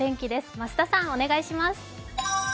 増田さん、お願いします。